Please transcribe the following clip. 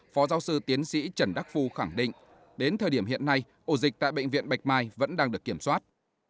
phó giáo sư tiến sĩ trần đắc phu khẳng định đến thời điểm hiện nay ổ dịch tại bệnh viện bạch mai vẫn đang được kiểm soát